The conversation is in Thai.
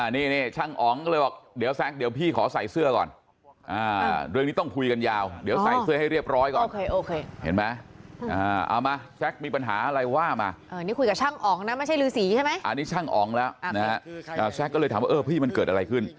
นี่ช่างอองก็เลยบอกเดี๋ยวสลักตัวพี่ขอใส่เสื้อก่อน